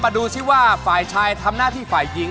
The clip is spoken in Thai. ดูสิว่าฝ่ายชายทำหน้าที่ฝ่ายยิง